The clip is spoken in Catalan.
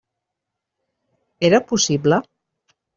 Era possible?